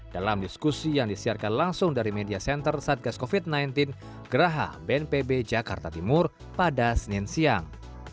dalam diskusi yang disiarkan langsung dari media center satgas covid sembilan belas geraha bnpb jakarta timur pada senin siang